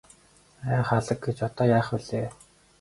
Ай халаг гэж одоо яах билээ.